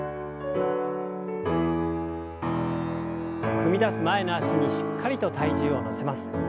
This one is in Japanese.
踏み出す前の脚にしっかりと体重を乗せます。